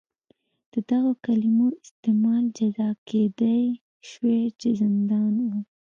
د دغو کلیمو استعمال جزا کېدای شوه چې زندان و.